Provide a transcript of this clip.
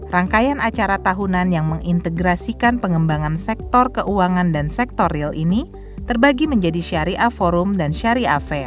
rangkaian acara tahunan yang mengintegrasikan pengembangan sektor keuangan dan sektor real ini terbagi menjadi syariah forum dan syariah fair